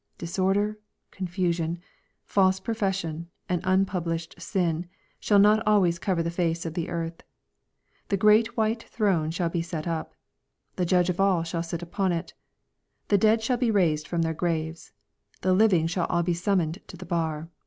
Disorder, confusion, false profession, and unpunished sin, shall not always cover the fece of the earth. The great white throne shall be set up. The Judge of all shall sit upon it. The dead shall be raised from their graves. The living shall all be summoned to the bar.